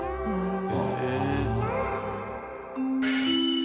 へえ！